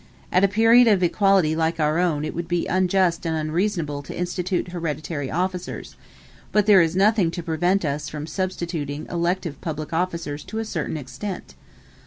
At a period of equality like our own it would be unjust and unreasonable to institute hereditary officers; but there is nothing to prevent us from substituting elective public officers to a certain extent.